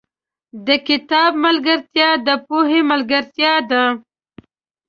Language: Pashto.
• د کتاب ملګرتیا، د پوهې ملګرتیا ده.